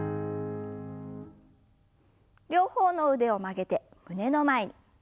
両方の腕を曲げて胸の前に。